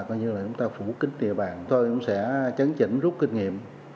chúng ta phủ kính địa bàn thôi cũng sẽ chấn chỉnh rút kinh nghiệm